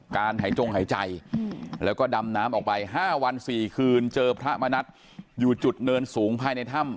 หายจงหายใจแล้วก็ดำน้ำออกไป๕วัน๔คืนเจอพระมณัฐอยู่จุดเนินสูงภายในถ้ำ